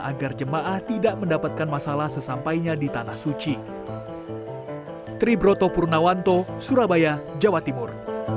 agar jemaah tidak mendapatkan masalah sesampainya di tanah suci tribroto purnawanto surabaya jawa timur